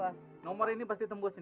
wah nomor ini pasti tembus nih